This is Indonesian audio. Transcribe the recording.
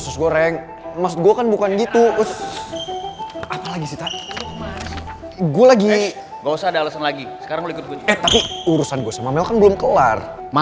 sampai jumpa di video selanjutnya